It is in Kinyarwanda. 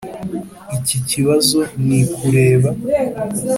iki kibazo ntikureba.